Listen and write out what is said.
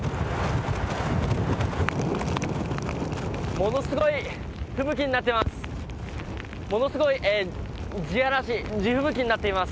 ものすごい吹雪になっています。